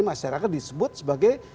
masyarakat disebut sebagai